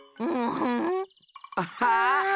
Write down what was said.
アッハー。